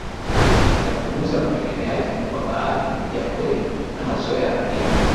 zinapunguza utegemeaji wa baadhi ya fueli na mazoea yenye